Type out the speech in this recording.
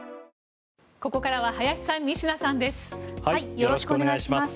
よろしくお願いします。